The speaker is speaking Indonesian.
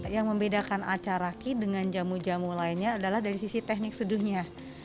yang membedakan acaraki dengan jamu jamu lainnya adalah dari sisi teknik seduhnya